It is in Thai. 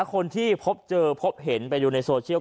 คนที่พบเจอพบเห็นไปดูในโซเชียล